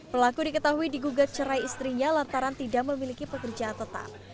pelaku diketahui digugat cerai istrinya lantaran tidak memiliki pekerjaan tetap